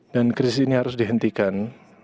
dan krisis ini harus dihentikan